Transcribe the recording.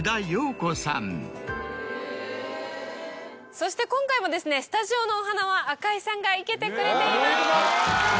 そして今回もスタジオのお花は赤井さんが生けてくれています。